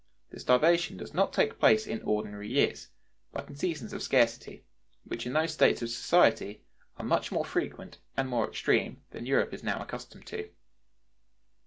The starvation does not take place in ordinary years, but in seasons of scarcity, which in those states of society are much more frequent and more extreme than Europe is now accustomed to.